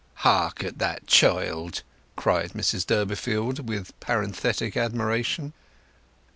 "Hark at that child!" cried Mrs Durbeyfield, with parenthetic admiration.